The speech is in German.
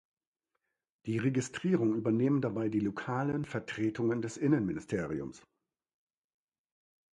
Die Registrierung übernehmen dabei die lokalen Vertretungen des Innenministeriums.